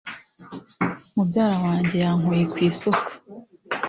Mubyara wanjye yankuye ku isuka